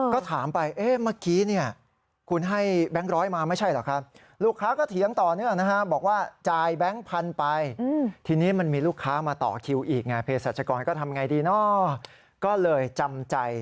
ก็ถามไปเมื่อกี้นี่คุณให้แบงค์๑๐๐มาไม่ใช่หรอกคะ